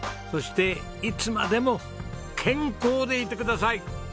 そしていつまでも健康でいてください。